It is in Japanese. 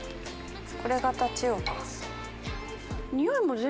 これがタチウオか。